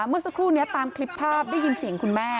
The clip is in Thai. เมื่อสักครู่นี้ตามคลิปภาพได้ยินเสียงคุณแม่